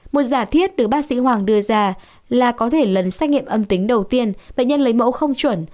một giả thiết được bác sĩ hoàng đưa ra là có thể lần xét nghiệm âm tính đầu tiên bệnh nhân lấy mẫu không chuẩn